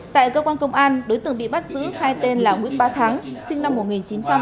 tại cơ quan công an đối tượng bị bắt giữ hai tên là nguyễn ba thắng sinh năm một nghìn chín trăm bảy mươi